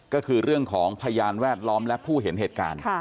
ก็คือเรื่องของพยานแวดล้อมและผู้เห็นเหตุการณ์